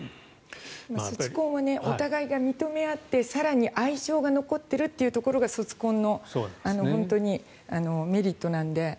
卒婚はお互いが認め合って更に愛情が残っているというところが卒婚の本当にメリットなので。